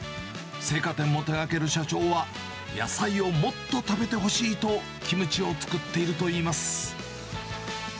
青果店も手がける社長は、野菜をもっと食べてほしいと、キムチを作っているといいます。